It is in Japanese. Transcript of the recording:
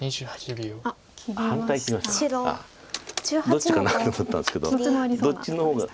どっちかなと思ったんですけどどっちの方が。